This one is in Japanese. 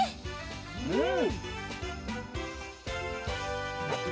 うん！